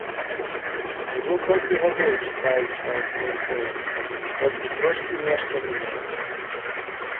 Ужо колькі гадоў чытаюць пра адно і тое ж, толькі трошкі нешта мяняюць.